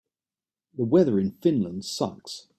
The weather in Finland sucks.